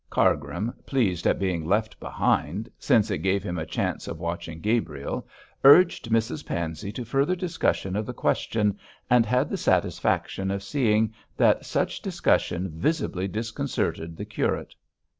Cargrim, pleased at being left behind, since it gave him a chance of watching Gabriel, urged Mrs Pansey to further discussion of the question, and had the satisfaction of seeing that such discussion visibly disconcerted the curate.